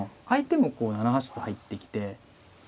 相手もこう７八と入ってきて。